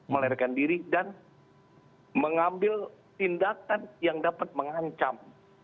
melarikan diri dan mengambil tindakan yang dapat mengancam